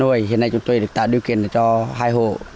thứ hai là hiện nay chúng tôi được tạo điều kiện cho hai hộ